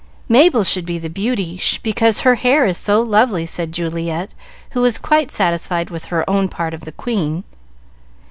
"Mabel should be the Beauty, because her hair is so lovely," said Juliet, who was quite satisfied with her own part of the Queen.